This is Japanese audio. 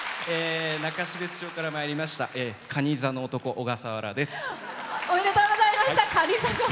中標津町からまいりましたかに座の男、おがさわらです。